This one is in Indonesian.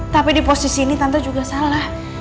tapi di posisi ini tante juga salah